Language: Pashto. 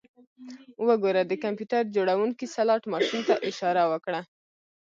وګوره د کمپیوټر جوړونکي سلاټ ماشین ته اشاره وکړه